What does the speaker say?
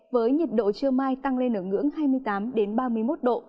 với nhiệt độ trưa mai tăng lên ở ngưỡng hai mươi tám ba mươi một độ